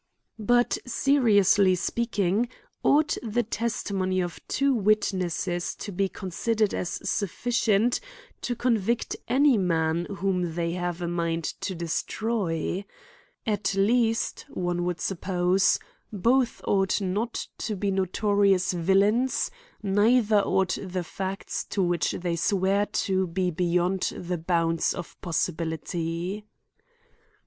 But, seriously speaking ought the testimony of two witnesses to be consi . dered as sufficient to convict any man whom they 208 A COMMENTARY 6N have a mind to destroy ? At least, one would sup pose, both ought not to be notorious villains neither ought the facts to which they swear to, be beyond the bounds of possibility.